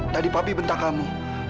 tadi papi bentang kamu